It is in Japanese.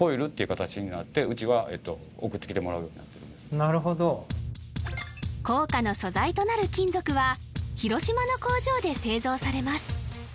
なるほど硬貨の素材となる金属は広島の工場で製造されます